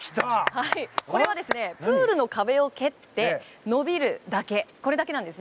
これはプールの壁を蹴って伸びるだけなんです。